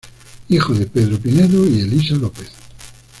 Hijo de Pedro Pinedo y Elisa López.